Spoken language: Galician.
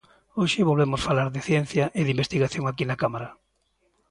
Hoxe volvemos falar de ciencia e de investigación aquí na Cámara.